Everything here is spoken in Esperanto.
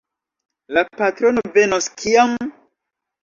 La patrono venos kiam?